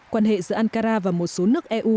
quan hệ giữa ankara và một số nước eu